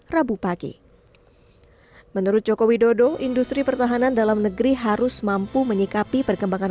rabu pagi menurut joko widodo industri pertahanan dalam negeri harus mampu menyikapi perkembangan